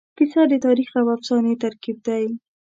کیسه د تاریخ او افسانې ترکیب دی.